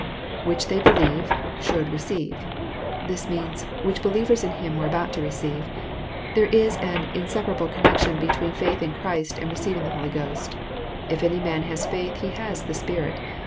[^Which tJtey.., believe., .should receive.^ This means, "Whicli believers in Him were about to receive." There is an insepa rable connection between faith in Christ and receiving the Holy Ghost. If any man h^ faith he has the Spirit.